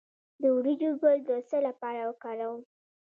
د وریجو ګل د څه لپاره وکاروم؟